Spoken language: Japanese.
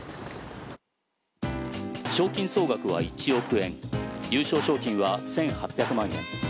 賞金総額は１億円優勝賞金は１８００万円。